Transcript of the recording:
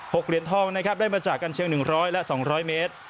หกเหรียญทองได้มาจากกันเชื้อ๑๐๐และ๒๐๐เมตร